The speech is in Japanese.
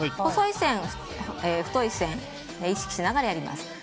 細い線、太い線意識しながらやります。